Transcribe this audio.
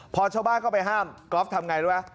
พอชาวบ้านเข้าไปห้ามกรอฟทำยังไงรึเปล่า